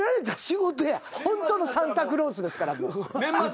ホントのサンタクロースですから。